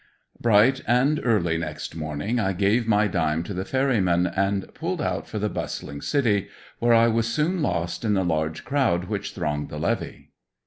Bright and early next morning I gave my dime to the ferryman and pulled out for the bustling city, where I was soon lost in the large crowd which thronged the levee.